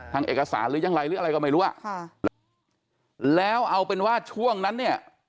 ทางเอกสารหรือยังไรหรืออะไรก็ไม่รู้อ่ะค่ะแล้วเอาเป็นว่าช่วงนั้นเนี่ย